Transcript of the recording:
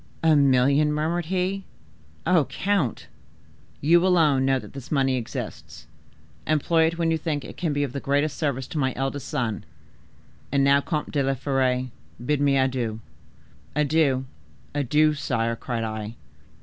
"A million!" murmured he, "Oh, count!" "'You alone know that this money exists: employ it when you think it can be of the greatest service to my eldest son. And now, Comte de la Fere, bid me adieu!' "'Adieu, adieu, sire!' cried I."